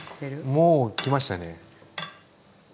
もう来ましたね。